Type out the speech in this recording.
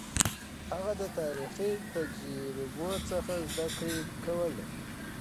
هغه د تاريخي تجربو څخه زده کړه کوله.